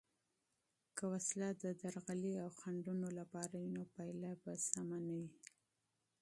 که وسله د درغلي او خنډونو لپاره وي، نو پایله به منفي وي.